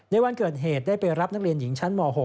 ในวันเกิดเหตุได้ไปรับนักเรียนหญิงชั้นม๖